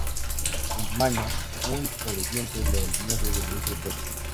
El "Maño" muy obediente, lo alineó desde el inicio del juego.